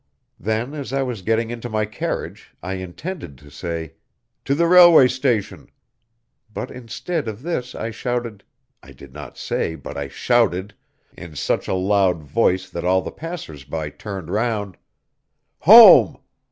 Then, as I was getting into my carriage, I intended to say: "To the railway station!" but instead of this I shouted I did not say, but I shouted in such a loud voice that all the passers by turned round: "Home!"